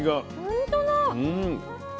ほんとだ。